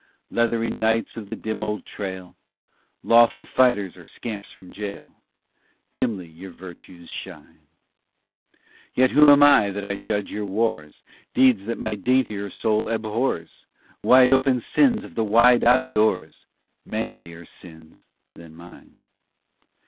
Leathery knights of the dim old trail, Lawful fighters or scamps from jail, Dimly your virtues shine. Yet who am I that I judge your wars, Deeds that my daintier soul abhors, Wide open sins of the wide outdoors, Manlier sins than mine.